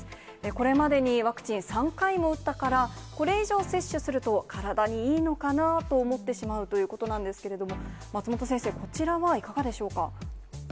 これまでにワクチン３回も打ったから、これ以上、接種すると体にいいのかなと思ってしまうということなんですけども、松本先生、こちらはいかがでしょうか。